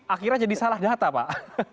akhirnya jadi salah data pak